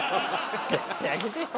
してあげてよ。